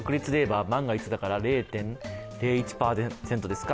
万が一だから、確率では０．０１％ですか。